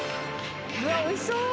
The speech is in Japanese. うわおいしそう！